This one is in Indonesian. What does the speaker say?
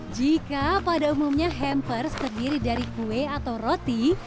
jika pada umumnya hampers terdiri dari kue atau roti